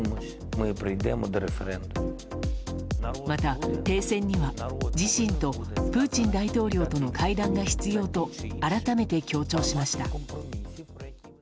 また、停戦には自身とプーチン大統領との会談が必要と、改めて強調しました。